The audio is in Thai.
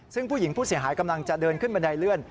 ซึ่งผู้หญิงผู้เสียหายกำลังจะเดินขึ้นบันไดเลื่อน